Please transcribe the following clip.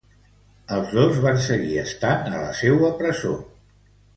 Els dos van seguir estant a la seua presó.